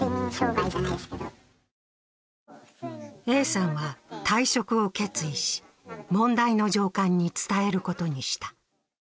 Ａさんは退職を決意し、問題の上官に伝えることにした。